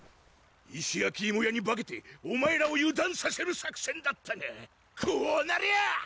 石やきいも屋に化けてお前らを油断させる作戦だったがこうなりゃ！